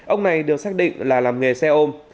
ông này được xác định là làm nghề xe ôm